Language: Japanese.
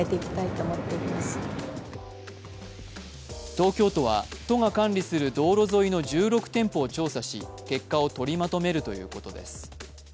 東京都は都が管理する道路沿いの１６店舗を調査し、結果を取りまとめるということです。